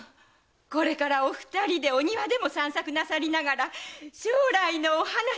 これからお二人でお庭でも散策なさりながら将来のお話しでも。